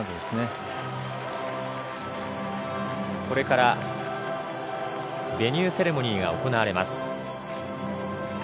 これからセレモニーが行われます。